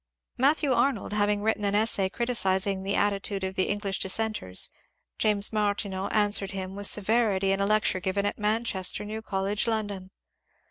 Matthew Arnold having written an essay criticising the attitude of the English dissenters, James Martineau answered him with severity in a lecture given at Manchester New Col lege, London.